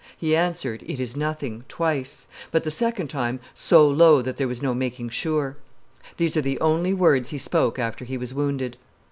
he answered, 'It is nothing,' twice; but the second time so low that there was no making sure. These are the only words he spoke after he was wounded.